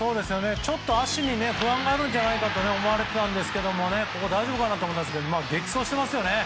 ちょっと足に不安があるんじゃないかと思われていたんですけどここ大丈夫かと思いますけど激走してますよね。